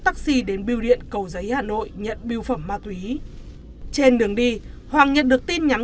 taxi đến biêu điện cầu giấy hà nội nhận biêu phẩm ma túy trên đường đi hoàng nhận được tin nhắn